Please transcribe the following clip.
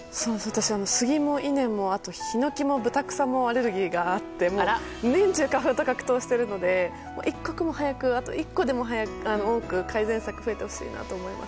私、スギもイネもあとヒノキもブタクサもアレルギーがあって年中、花粉と格闘しているので一刻も早く、１個でも多く改善策が増えてほしいと思います。